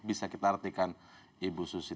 bisa kita artikan ibu susi